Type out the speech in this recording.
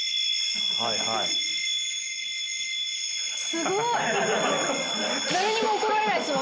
すごい！